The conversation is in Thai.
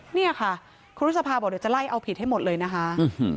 เนี่ยค่ะครูรุษภาบอกเดี๋ยวจะไล่เอาผิดให้หมดเลยนะคะ